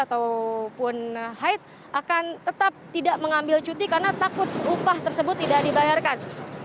ataupun haid akan tetap tidak mengambil cuti karena takut upah tersebut tidak dibayarkan